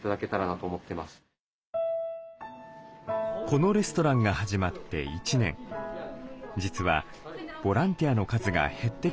このレストランが始まって一年実はボランティアの数が減ってきています。